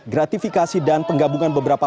gratifikasi dan penggabungan beberapa